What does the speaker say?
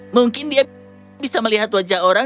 mungkin dia bisa melihat wajah orang